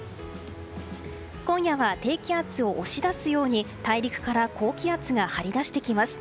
今夜は低気圧を押し出すように大陸から高気圧が張り出してきます。